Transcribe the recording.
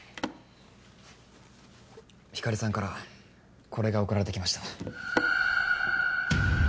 光莉さんからこれが送られて来ました。